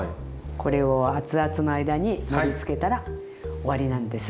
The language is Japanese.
これをあつあつの間に盛りつけたら終わりなんです。